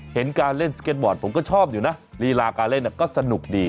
เห็นการเล่นสเก็ตบอร์ดผมก็ชอบอยู่นะลีลาการเล่นก็สนุกดี